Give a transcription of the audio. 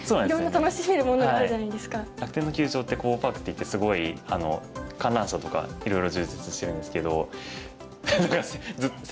楽天の球場ってＫｏｂｏパークっていってすごい観覧車とかいろいろ充実してるんですけど。